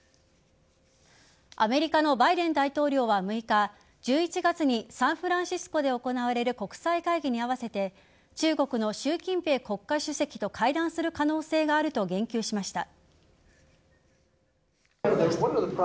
アメリカのバイデン大統領は６日１１月にサンフランシスコで行われる国際会議に合わせて中国の習近平国家主席と会談する可能性があると言及しました。